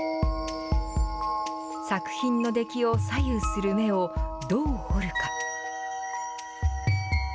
作品の出来を左右する目をどう彫るか。